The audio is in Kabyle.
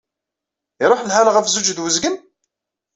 Iṛuḥ lḥal ɣef zzuǧ ed uzgen?